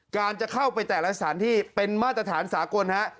การจะเข้าไปแต่ละสถานที่เป็นมาตรฐานสากลฮะ